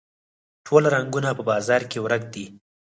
ټوله رنګونه په بازار کې ورک دي